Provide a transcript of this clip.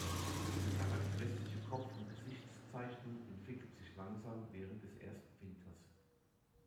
Die charakteristische Kopf- und Gesichtszeichnung entwickelt sich langsam während des ersten Winters.